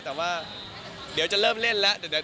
แต่ว่าเดี๋ยวจะเริ่มเล่นแล้ว